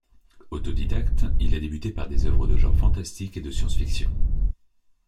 Autodidacte, il a débuté par des œuvres de genre fantastique et de science-fiction.